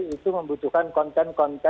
itu membutuhkan konten konten